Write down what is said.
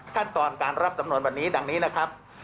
ขั้นตอนการรับสำนวนวันนี้ดังนี้นะครับ